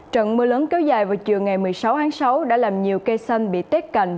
trận mưa lớn kéo dài vào chiều ngày một mươi sáu tháng sáu đã làm nhiều cây xanh bị tết cành